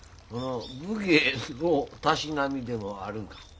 武芸のたしなみでもあるんか？